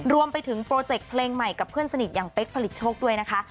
รวมไปถึงโปรเจกต์เพลงใหม่กับเพื่อนสนิทอย่างเป๊กผลิตโชคด้วยนะคะ